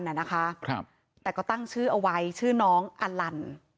แต่ก็จึงตั้งชื่อเอาไว้ชื่อน้องอรัน